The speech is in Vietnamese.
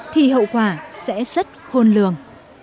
thì hậu quả sẽ rất khôn lường